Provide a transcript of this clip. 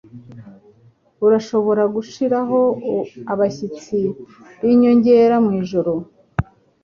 Urashobora gushiraho abashyitsi b'inyongera mwijoro?